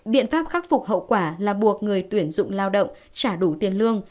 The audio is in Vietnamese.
biện pháp khắc phục hậu quả là buộc người tuyển dụng lao động trả đủ tiền lương